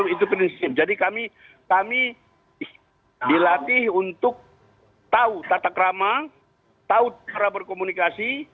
itu prinsip jadi kami dilatih untuk tahu tatak rama tahu cara berkomunikasi